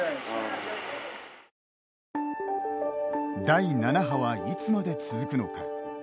第７波は、いつまで続くのか。